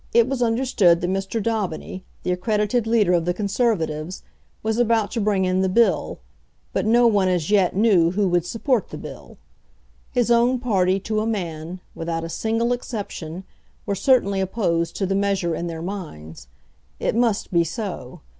It was understood that Mr. Daubeny, the accredited leader of the Conservatives, was about to bring in the bill, but no one as yet knew who would support the bill. His own party, to a man, without a single exception, were certainly opposed to the measure in their minds. It must be so.